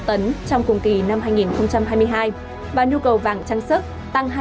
trong cùng kỳ năm hai nghìn hai mươi hai và nhu cầu vàng trang sức tăng hai mươi tám